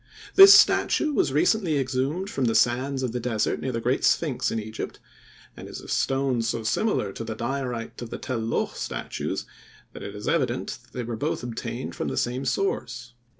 This statue was recently exhumed from the sands of the desert near the great Sphynx in Egypt, and is of stone so similar to the diorite of the Tel Loh statues that it is evident they were both obtained from the same source.